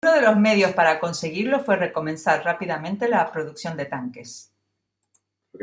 Uno de los medios para conseguirlo fue recomenzar rápidamente la producción de tanques.